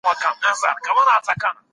ليږ دمه شه د تاريخ سندره واوره